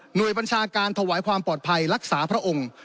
โดยบัญชาการถวายความปลอดภัยรักษาพระองค์